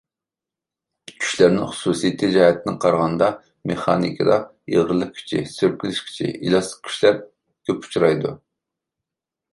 كۈچلەرنىڭ خۇسۇسىيىتى جەھەتتىن قارىغاندا، مېخانىكىدا ئېغىرلىق كۈچى، سۈركىلىش كۈچى، ئېلاستىك كۈچلەر كۆپ ئۇچرايدۇ.